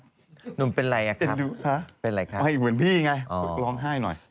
สวัสดีครับ